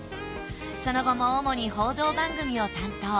その後も主に報道番組を担当。